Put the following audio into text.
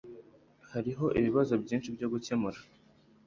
Hariho ibibazo byinshi byo gukemura